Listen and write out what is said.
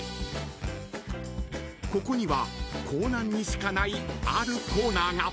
［ここにはコーナンにしかないあるコーナーが］